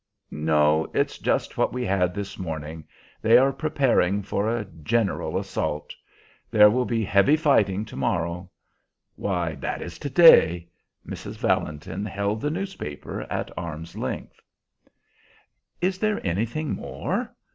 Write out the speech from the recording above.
No; it's just what we had this morning. They are preparing for a general assault. There will be heavy fighting to morrow. Why, that is to day!" Mrs. Valentin held the newspaper at arm's length. "Is there anything more?